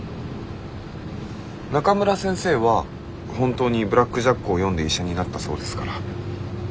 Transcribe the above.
中村先生は本当に「ブラック・ジャック」を読んで医者になったそうですから。